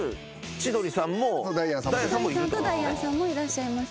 千鳥さんとダイアンさんもいらっしゃいます。